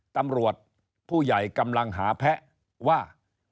ตำรวจผู้ใหญ่กำลังหาแพ้ว่า